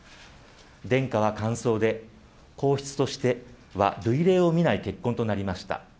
殿下は感想で、皇室としては類例を見ない結婚となりました。